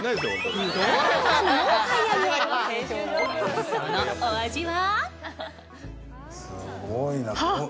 そのお味は？